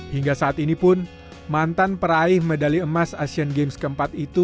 hingga saat ini pun mantan peraih medali emas asian games keempat itu